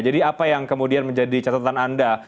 jadi apa yang kemudian menjadi catatan anda